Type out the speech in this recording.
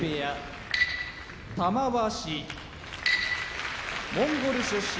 玉鷲モンゴル出身